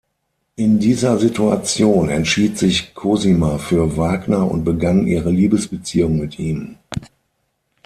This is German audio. In dieser Situation entschied sich Cosima für Wagner und begann ihre Liebesbeziehung mit ihm.